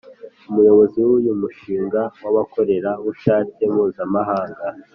Umuyobozi w’uyu mushinga w’abakorerabushake mpuzamahanga